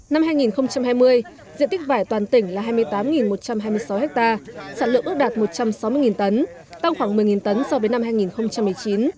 năm hai nghìn hai mươi diện tích vải toàn tỉnh là hai mươi tám một trăm hai mươi sáu ha sản lượng ước đạt một trăm sáu mươi tấn tăng khoảng một mươi tấn so với năm hai nghìn một mươi chín